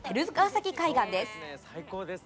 崎海岸です。